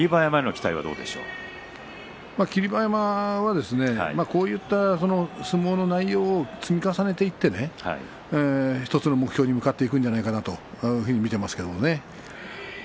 霧馬山はこういった相撲の内容を積み重ねていって１つの目標に向かっていくのではないかと見ていますけれどもね。